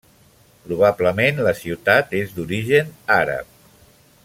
Probablement la ciutat és d'origen àrab.